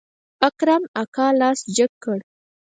اکرم اکا لاس جګ کړ.